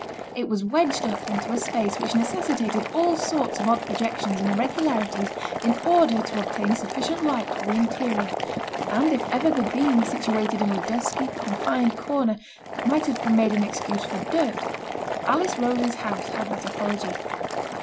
It was wedged up into a space which necessitated all sorts of odd projections and irregularities in order to obtain sufficient light for the interior; and if ever the being situated in a dusky, confined corner might have been made an excuse for dirt, Alice Rose's house had that apology.